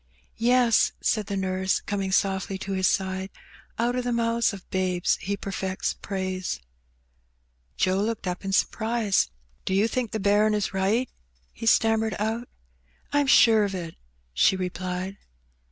" Yes," said the nurse, coming softly to his side, " out of the mouths of babes He perfects praise/' Joe looked up in surprise. ^^ Do you think the bairn is right?" he stammered out. '' I'm sure of it," she replied.